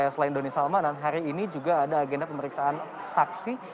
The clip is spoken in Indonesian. dan selain doni salmanan hari ini juga ada agenda pemeriksaan saksi